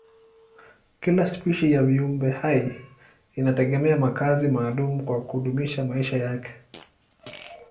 Kila spishi ya viumbehai inategemea makazi maalumu kwa kudumisha maisha yake.